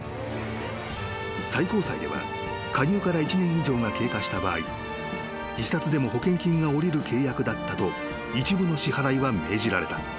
［最高裁では加入から１年以上が経過した場合自殺でも保険金が下りる契約だったと一部の支払いは命じられた］